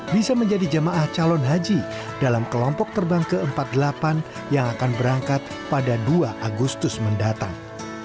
bisa menjadi jemaah calon haji dalam kelompok terbang ke empat puluh delapan yang akan berangkat pada dua agustus mendatang